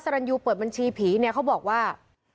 รันยูเปิดบัญชีผีเนี่ยเขาบอกว่า